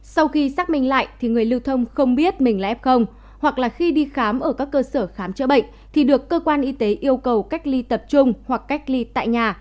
sau khi xác minh lại thì người lưu thông không biết mình là f hoặc là khi đi khám ở các cơ sở khám chữa bệnh thì được cơ quan y tế yêu cầu cách ly tập trung hoặc cách ly tại nhà